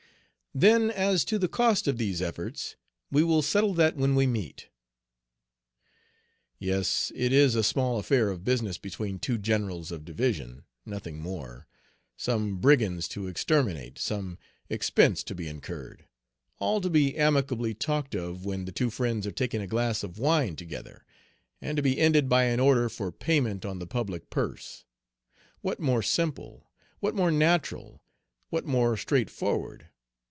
"Then as to the cost of these efforts, we will settle that when we meet." Yes, it is a small affair of business between two generals of division, nothing more, some brigands to exterminate, some expense to be incurred, all to be amicably talked of when the two friends are taking a glass of wine together, and to be ended by an order for payment on the public purse. What more simple, what more natural, what more straightforward?